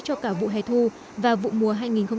cho cả vụ hè thu và vụ mùa hai nghìn hai mươi